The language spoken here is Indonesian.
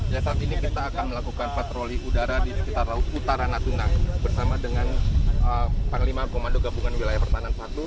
ya saat ini kita akan melakukan patroli udara di sekitar laut utara natuna bersama dengan panglima komando gabungan wilayah pertahanan satu